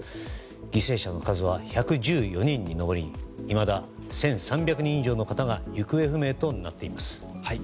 犠牲者の数は１１４人に上りいまだ１３００人以上の方が行方不明となっています。